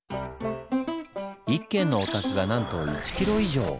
１軒のお宅がなんと１キロ以上！